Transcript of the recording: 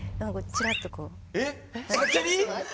ちらっとこう。